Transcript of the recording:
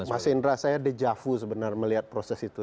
mas indra saya deja vu sebenarnya melihat proses itu